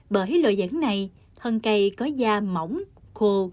bởi lợi dẫn này thân cây có da mỏng khô